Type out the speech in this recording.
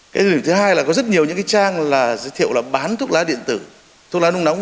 cái thứ hai là có rất nhiều những cái trang là giới thiệu là bán thuốc lá điện tử thuốc lá nung nóng